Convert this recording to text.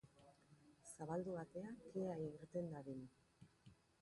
Zabaldu atea kea irten dadin.